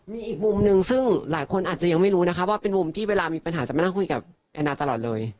มีอีกมุมนึงซึ่งหลายคนอาจจะยังไม่รู้นะคะว่าเป็นมุมที่เวลามีปัญหาจะมานั่งคุยกับแอนนาตลอดเลย